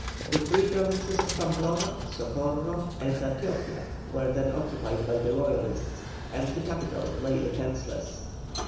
The three Provinces of Pamplona, Socorro, and Antioquia were then occupied by the Royalists, and the capital lay defenceless.